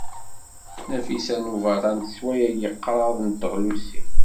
Nafisa n Ubeṛṛan teswa yagi kraḍt n teɣlusin.